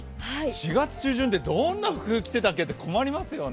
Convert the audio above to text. ４月中旬ってどんな服を着てたっけって迷いますよね。